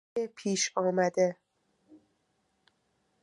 چانهی پیش آمده